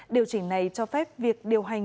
điều chỉnh này cho phép việc điều hành